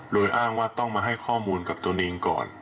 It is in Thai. โดยอ้างว่าต้องมาให้ข้อมูลกับตนเองก่อน